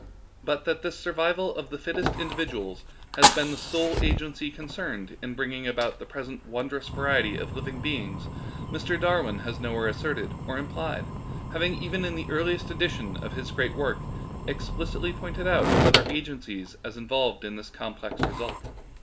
But that this survival of the fittest individuals has been the sole agency concerned in bringing about the present wondrous variety of living beings Mr. Darwin has nowliere asserted or implied, having even in the earliest edition of his great work explicitly pointed out certain other agencies as involved in the complex result.